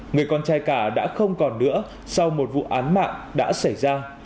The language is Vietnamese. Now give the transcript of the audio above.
người con trai cả đã không còn nữa sau một vụ án mạng đã xảy ra